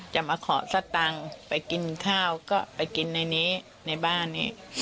จะมาขอสตังค์ไปกินข้าวก็ไปกินในนี้ในบ้านนี้